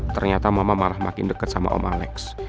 ternyata mama malah makin dekat sama om alex